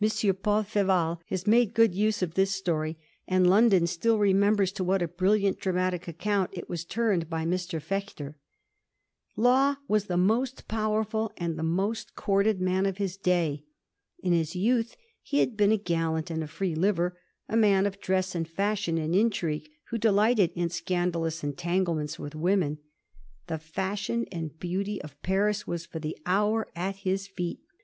Paul Feval, has made good use of this story, and London still remembers to what a bril liant dramatic account it was turned by Mr. Fechter. Law was the most powerful and the most qourted man of his day. In his youth he had been a gallant and a fi*ee liver, a man of dress and fashion and intrigue, who delighted in scandalous entanglements with women. The fashion and beauty of Paris waa for the hour at his feet.